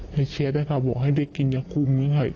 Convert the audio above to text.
ในเช็ทได้ค่ะบอกให้เด็กกินยักษ์คุมนี้ค่ะ